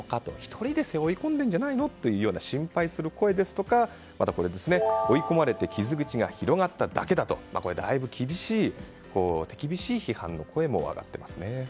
１人で背負い込んでいるんじゃないのという心配する声とかまた、追い込まれて傷口が広がっただけとだいぶ手厳しい批判の声も上がっていますね。